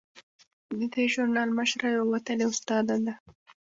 د دې ژورنال مشره یوه وتلې استاده ده.